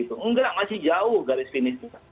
tidak masih jauh garis finish